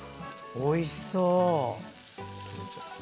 おいしそう。